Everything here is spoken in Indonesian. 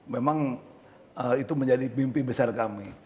memang itu menjadi mimpi besar kami